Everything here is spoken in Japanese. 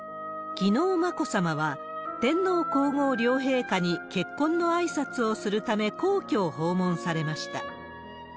きのう、眞子さまは天皇皇后両陛下に結婚のあいさつをするため皇居を訪問されました。